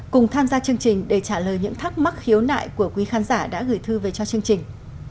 cùng tham gia chương trình để trả lời những thắc mắc khiếu nại của quý khán giả đã gửi thư về cho chương trình